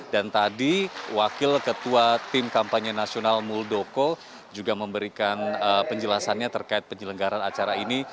dan tadi wakil ketua tim kampanye nasional muldoko juga memberikan penjelasannya terkait penyelenggaran acara ini